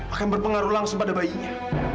akan berpengaruh langsung pada bayinya